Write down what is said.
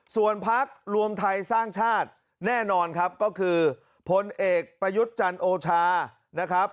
ส่วนพักรวมไทยสร้างชาติแน่นอนครับก็คือพลเอกประยุทธ์จันโอชานะครับ